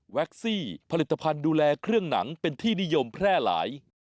ซี่ผลิตภัณฑ์ดูแลเครื่องหนังเป็นที่นิยมแพร่หลาย